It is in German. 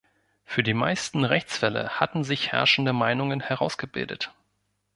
Für die meisten Rechtsfälle hatten sich herrschende Meinungen herausgebildet.